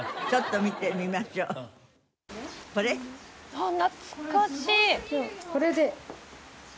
あっ懐かしい！